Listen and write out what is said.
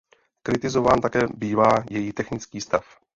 Kritizován také bývá její technický stav.